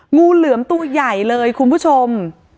งูเหลือมตัวใหญ่เลยคุณผู้ชม